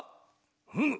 うむ。